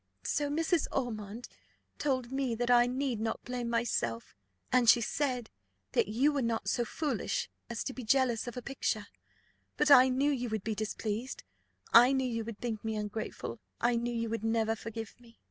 So Mrs. Ormond told me that I need not blame myself; and she said that you were not so foolish as to be jealous of a picture; but I knew you would be displeased I knew you would think me ungrateful I knew you would never forgive me."